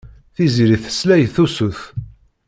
Tiziri tesla i tusut.